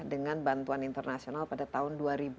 dengan bantuan internasional pada tahun dua ribu tiga puluh